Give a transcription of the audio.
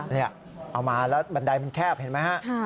นี่เอามาแล้วบันไดมันแคบเห็นไหมฮะ